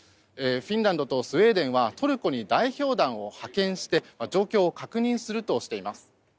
フィンランドとスウェーデンはトルコに代表団を派遣して状況を確認するとしています。